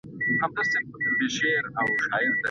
ولي زیارکښ کس د با استعداده کس په پرتله بریا خپلوي؟